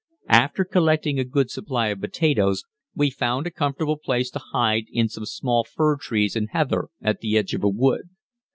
After collecting a good supply of potatoes, we found a comfortable place to hide in some small fir trees and heather at the edge of a wood.